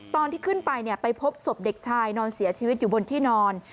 ตอนที่ขึ้นไปไปพบศพเด็กชายนอนเสียชีวิตอยู่บนที่นอน